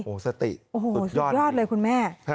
โหสติสุดยอดเลยคุณแม่